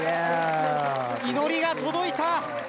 祈りが届いた。